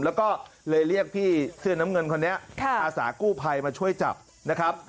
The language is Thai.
แล้วก็เลยเรียกพี่เสื้อน้ำเงินคนนี้อาสากู้ภัยมาช่วยจับนะครับ